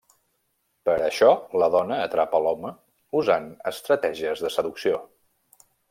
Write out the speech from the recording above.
Per a això la dona atrapa a l'home usant estratègies de seducció.